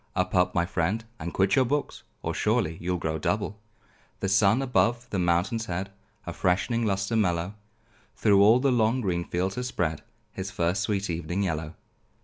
Up! up! my friend, and quit your books, Or surely you'll grow double. The sun, above the mountain's head, A freshening lustre mellow Through all the long green fields has spread, His first sweet evening yellow.